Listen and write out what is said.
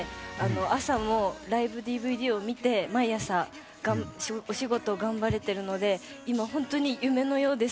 朝もライブＤＶＤを見て毎朝お仕事を頑張れてるので今、本当に夢のようです。